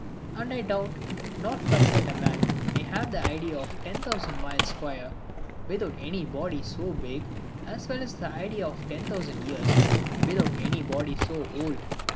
And I doubt not but that a man may have the idea of ten thousand miles square, without any body so big, as well as the idea of ten thousand years, without any body so old.